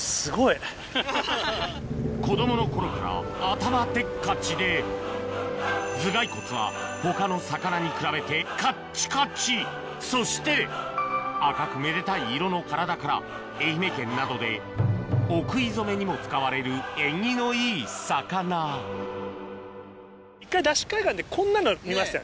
子供の頃から頭でっかちで頭蓋骨は他の魚に比べてカッチカチそして赤くめでたい色の体から愛媛県などでお食い初めにも使われる縁起のいい魚うん。